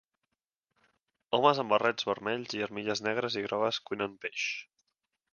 Homes amb barrets vermells i armilles negres i grogues cuinen peix.